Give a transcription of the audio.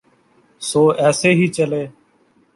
سو ایسے ہی چلے۔